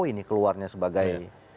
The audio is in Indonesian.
ini keluarnya sebagai